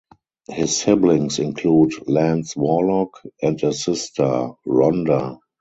His siblings include Lance Warlock and a sister, Rhonda.